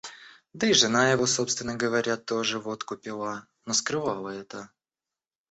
Да и жена его, собственно говоря, тоже водку пила, но скрывала это.